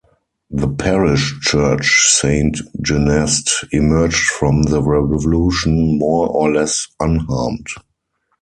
The parish church, Saint Genest, emerged from the Revolution more or less unharmed.